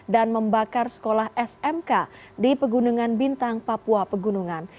dan membakar sekolah smk di pegunungan bintang papua pegunungan